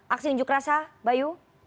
aksi menjuk rasa bayu